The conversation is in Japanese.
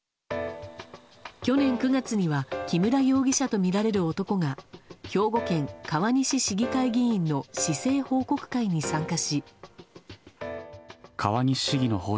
去年９月には木村容疑者とみられる男が兵庫県川西市議会議員の市政報告会に参加し。